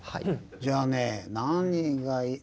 じゃあね何がいい